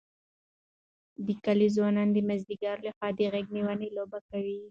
د کلي ځوانان د مازدیګر لخوا د غېږ نیونې لوبه کوي.